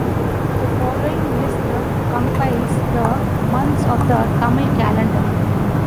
The following list compiles the months of the Tamil Calendar.